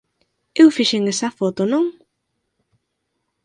Eu fixen esa foto, non?